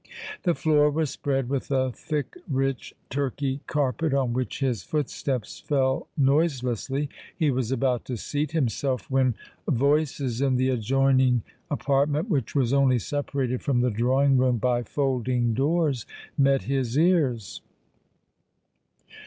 The floor was spread with a thick, rich Turkey carpet, on which his footsteps fell noiselessly. He was about to seat himself, when voices in the adjoining apartment, which was only separated from the drawing room by folding doors, met his ears.